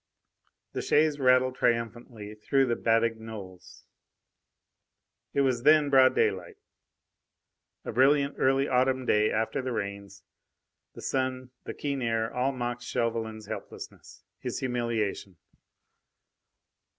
The chaise rattled triumphantly through the Batignolles. It was then broad daylight. A brilliant early autumn day after the rains. The sun, the keen air, all mocked Chauvelin's helplessness, his humiliation.